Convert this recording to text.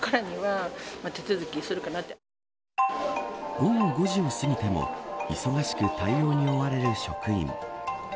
午後５時を過ぎても忙しく対応に追われる職員。